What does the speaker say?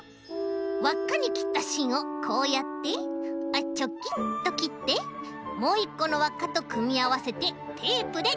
わっかにきったしんをこうやってあっチョキンときってもういっこのわっかとくみあわせてテープでとめます。